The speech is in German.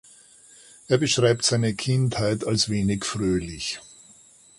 Er beschreibt seine Kindheit als wenig fröhlich.